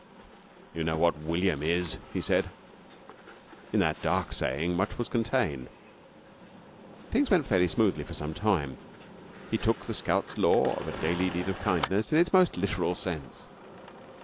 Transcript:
"You know what William is," he said, and in that dark saying much was contained. Things went fairly smoothly for some time. He took the scouts' law of a daily deed of kindness in its most literal sense.